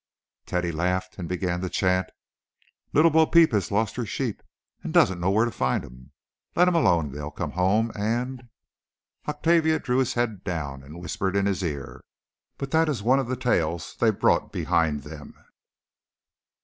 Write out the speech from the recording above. Teddy laughed, and began to chant: "Little Bo Peep has lost her sheep, And doesn't know where to find 'em. Let 'em alone, and they'll come home, And—" Octavia drew his head down, and whispered in his ear. But that is one of the tales they brought behind them.